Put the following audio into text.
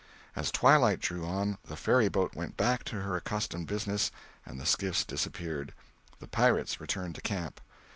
As twilight drew on, the ferryboat went back to her accustomed business and the skiffs disappeared. The pirates returned to camp.